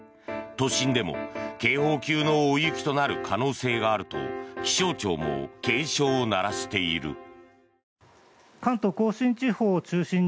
都心でも警報級の大雪となる可能性があると気象庁も警鐘を鳴らしている。